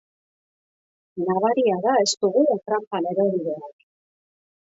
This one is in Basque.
Nabaria da ez dugula tranpan erori behar.